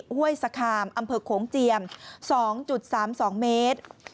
ห้วยสคามอำเภอโขงเจียม๒๓๒เมตร